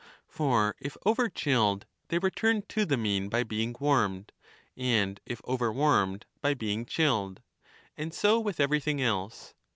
For if over chilled they return to the mean by being warmed, and if over warmed by being chilled. And 35 so with everything else.